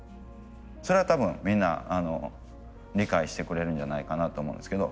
それは多分みんな理解してくれるんじゃないかなと思うんですけど。